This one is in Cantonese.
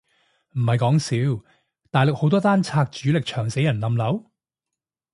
唔係講笑，大陸好多單拆主力牆死人冧樓？